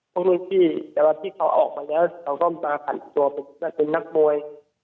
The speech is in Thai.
พวกนุญพี่แต่พี่เขาออกมาเขากล้องตาขัดตัวกลับเป็นนักมวย